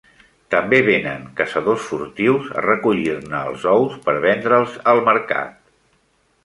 També venen caçadors furtius, a recollir-ne els ous per vendre'ls al mercat.